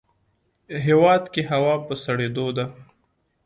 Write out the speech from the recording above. هیواد کې هوا په سړیدو ده